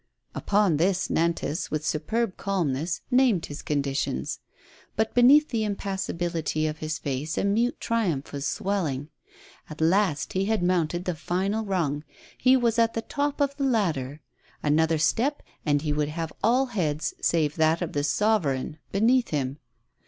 Upon this, Nantas, with superb calmness, named his conditions. But beneath the impassibility of his face a mute triumph was SAvelling. At last he had mounted the final rung, he was at the top of the ladder. Another step, and he would have all heads save that of the sovereign beneath him.